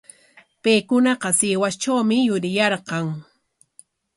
Paykunaqa Sihuastrawmi yuriyarqan.